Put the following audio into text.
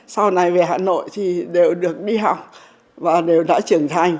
sau này về hà nội thì đều được đi học và đều đã trưởng thành